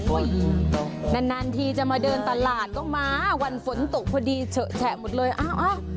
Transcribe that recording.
นานนานทีจะมาเดินตลาดก็มาวันฝนตกพอดีเฉอะแฉะหมดเลยอ้าว